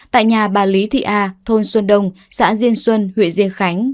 tại nhà bà lý thị a thôn xuân đông xã diên xuân huyện diên khánh